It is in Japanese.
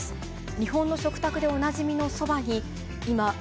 日本の食卓でおなじみのそばに、ます